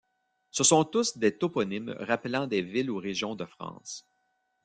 Ce sont tous des toponymes rappelant des villes ou régions de France.